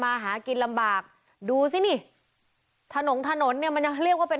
มาหากินลำบากดูสินี่ถนนถนนเนี่ยมันยังเรียกว่าเป็น